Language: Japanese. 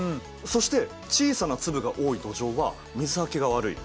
そして小さな粒が多い土壌は水はけが悪い。